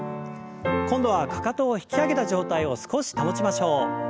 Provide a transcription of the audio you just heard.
今度はかかとを引き上げた状態を少し保ちましょう。